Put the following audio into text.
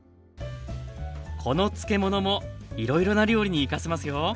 この漬物もいろいろな料理に生かせますよ。